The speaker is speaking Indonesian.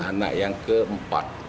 anak yang keempat